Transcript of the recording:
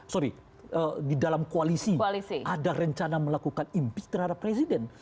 sorry di dalam koalisi ada rencana melakukan impeach terhadap presiden